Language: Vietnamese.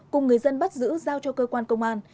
cùng người dân bắt giữ giao cho cơ quan công an